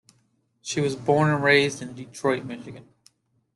She was born and raised in Detroit, Michigan.